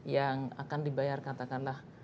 yang akan dibayar katakanlah